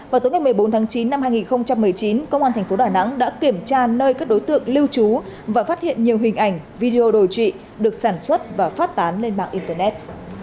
vào tối ngày một mươi bốn tháng chín năm hai nghìn một mươi chín công an tp đà nẵng đã kiểm tra nơi các đối tượng lưu trú và phát hiện nhiều hình ảnh video đồ trị được sản xuất và phát tán lên mạng internet